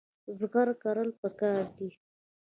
زغر کرل پکار دي.